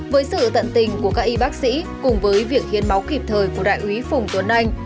với sự tận tình của các y bác sĩ cùng với việc hiến máu kịp thời của đại úy phùng tuấn anh